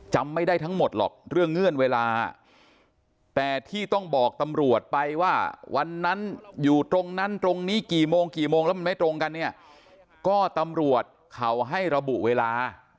จำไม่ได้ทั้งหมดหรอกเรื่องเงื่อนเวลาแต่ที่ต้องบอกตำรวจไปว่าวันนั้นอยู่ตรงนั้นตรงนี้กี่โมงกี่โมงแล้วมันไม่ตรงกันเนี่ยก็ตำรวจเขาให้ระบุเวลา